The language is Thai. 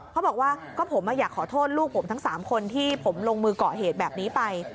เขาบอกว่าก็ผมอยากขอโทษลูกผมทั้ง๓คนที่ผมลงมือก่อเหตุแบบนี้ไป